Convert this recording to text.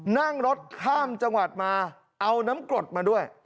นั่งรถข้ามจังหวัดมาเอาน้ำกรดมาด้วย